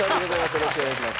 よろしくお願いします。